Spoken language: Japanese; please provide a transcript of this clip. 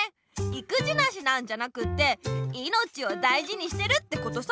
いくじなしなんじゃなくて命をだいじにしてるってことさ。